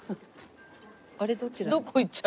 あれどちらに？